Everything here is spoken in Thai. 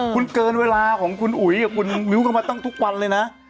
คุณเกินเวลาของคุณอุ๋ยกับคุณมิ้วเข้ามาตั้งทุกวันเลยนะ